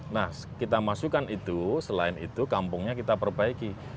nah kita masukkan itu selain itu kampungnya kita perbaiki